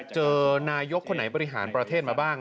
เจอนายกคนไหนบริหารประเทศมาบ้าง